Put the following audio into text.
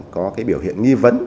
có cái biểu hiện nghi vấn